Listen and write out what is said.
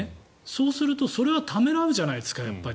そうすると、それはやっぱりためらうじゃないですか。